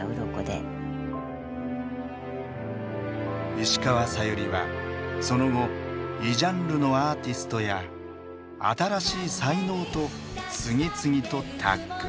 石川さゆりはその後異ジャンルのアーティストや新しい才能と次々とタッグ。